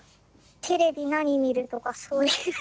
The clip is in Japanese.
テレビ何見るとかそういう。